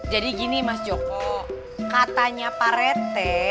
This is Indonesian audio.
jadi gini mas joko katanya pak rete